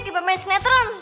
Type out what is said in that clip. kaya pemain sinetron